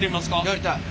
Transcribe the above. やりたい。